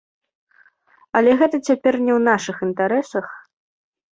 Але гэта цяпер не ў нашых інтарэсах.